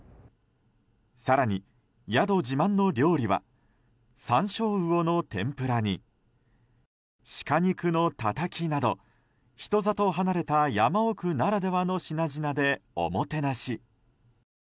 更に、宿自慢の料理はサンショウウオの天ぷらに鹿肉のたたきなど人里離れた山奥ならではの品々でおもてなし。